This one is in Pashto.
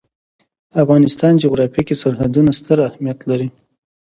د افغانستان جغرافیه کې سرحدونه ستر اهمیت لري.